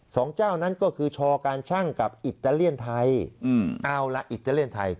สองเจ้านั้นก็คือชอการชั่งกับอิตาเลียนไทยอืมเอาล่ะอิตาเลียนไทย